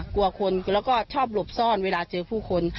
กลัวคนแล้วก็ชอบหลบซ่อนเวลาเจอผู้คน